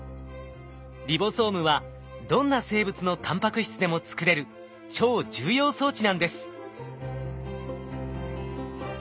リボソームはどんな生物のタンパク質でも作れる超重要装置なんです。